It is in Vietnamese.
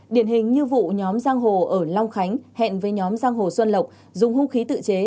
điển hình như vụ nhóm giang hồ ở long khánh hẹn với nhóm giang hồ xuân lộc dùng hung khí tự chế